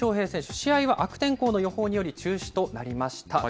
試合は悪天候の予報により、中止となりました。